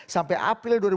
sampai apa yang terjadi